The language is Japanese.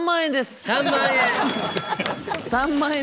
３万円。